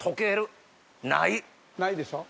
ないでしょ？